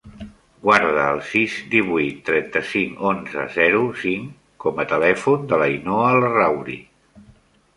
Guarda el sis, divuit, trenta-cinc, onze, zero, cinc com a telèfon de l'Ainhoa Larrauri.